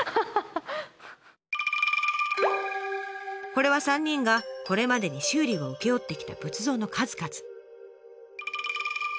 これは３人がこれまでに修理を請け負ってきた仏像の数々。